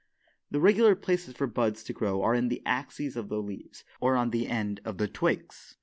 The regular places for buds to grow are in the axes of the leaves or on the end of the twigs.